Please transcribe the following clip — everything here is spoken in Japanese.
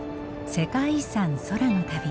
「世界遺産空の旅」。